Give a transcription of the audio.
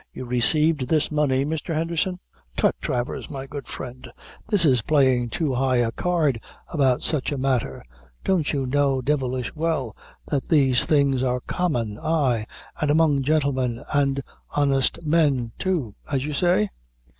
You received this money, Mr. Henderson?" "Tut, Travers, my good friend; this is playing too high a card about such a matter. Don't you know, devilish well, that these things are common, aye, and among gentlemen and honest men too, as you say?"